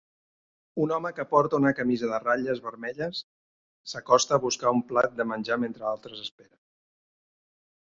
Un home que porta una camisa de ratlles vermella s'acosta a buscar un plat de menjar mentre altres esperen.